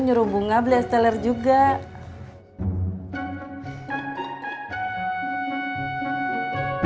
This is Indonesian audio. nyuruh bunga beli es teler juga